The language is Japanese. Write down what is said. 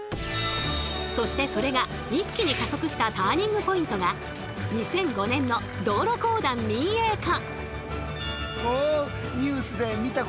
そしてそれが一気に加速したターニングポイントが２００５年の道路公団民営化。